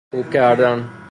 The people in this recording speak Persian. خوب کردن